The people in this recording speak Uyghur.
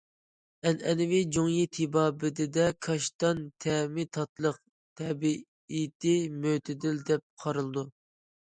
ئەنئەنىۋى جۇڭيى تېبابىتىدە كاشتان تەمى تاتلىق، تەبىئىتى مۆتىدىل دەپ قارىلىدۇ.